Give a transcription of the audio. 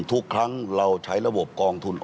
ทุกครั้งเราใช้ระบบกองทุน